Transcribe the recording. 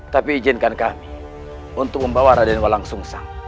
tapi izinkan kami untuk membawa raden walang sung sang